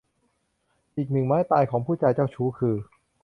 อีกหนึ่งไม้ตายของผู้ชายเจ้าชู้คือ